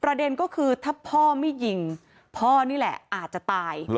ประเด็นก็คือถ้าพ่อไม่ยิงพ่อนี่แหละอาจจะตาย